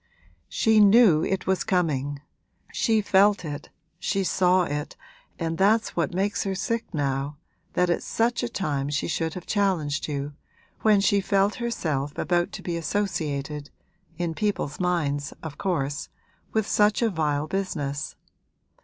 'She knew it was coming she felt it, she saw it, and that's what makes her sick now, that at such a time she should have challenged you, when she felt herself about to be associated (in people's minds, of course) with such a vile business.